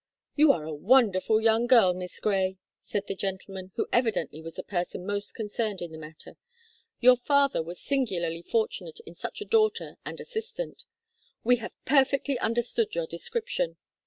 "You are a wonderful young girl, Miss Grey," said the gentleman, who evidently was the person most concerned in the matter. "Your father was singularly fortunate in such a daughter and assistant. We have perfectly understood your description.